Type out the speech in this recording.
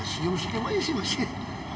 ya senyum senyum aja sih masih